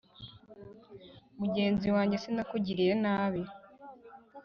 Mugenzi wanjye sinakugiriye nabi